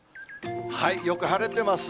よく晴れてます。